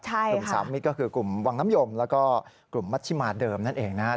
กลุ่มสามมิตรก็คือกลุ่มวังน้ำยมแล้วก็กลุ่มมัชชิมาเดิมนั่นเองนะฮะ